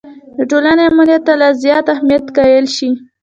د ټولنې امنیت ته لا زیات اهمیت قایل شي.